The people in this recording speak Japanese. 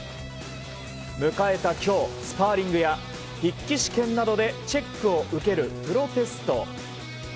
迎えた今日スパーリングや筆記試験などでチェックを受けるプロテスト。